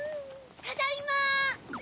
・ただいま！